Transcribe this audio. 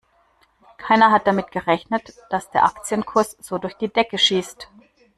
Keiner hat damit gerechnet, dass der Aktienkurs so durch die Decke schießt.